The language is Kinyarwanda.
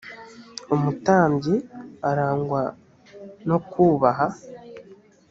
umutambyi arangwa nokubaha.